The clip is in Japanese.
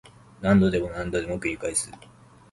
何度でも何度でも繰り返す